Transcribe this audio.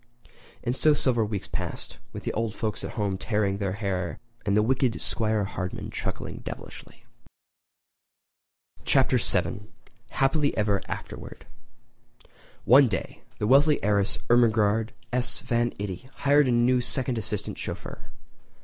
And so several weeks passed, with the old folks at home tearing their hair and the wicked 'Squire Hardman chuckling devilishly. Chapter VII: Happy Ever Afterward[edit] One day the wealthy heiress Ermengarde S. Van Itty hired a new second assistant chauffeur.